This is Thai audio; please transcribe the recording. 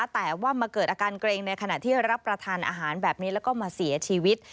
แต่ว่ามาเกิดอาการเกรงในขณะที่รับประทานอาหารแบบนี้แล้วก็มาเสียชีวิต